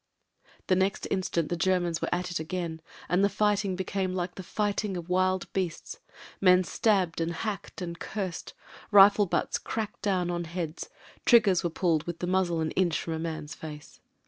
The next instant the Germans were at it again, and the fighting became like the fighting of wild beasts. Men stabbed and hacked and cursed; rifle butts cracked down on heads ; triggers were pulled with the muzzle an inch from a man's face.